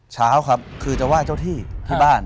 เช้าครับคือจะไหว้เจ้าที่ที่บ้าน